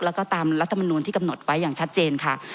แล้วก็ตามรัฐมนูลที่กำหนดไว้อย่างชัดเจนค่ะ